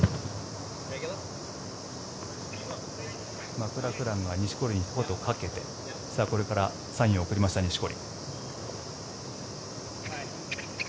マクラクランが錦織にひと言かけてこれからサインを送りました錦織。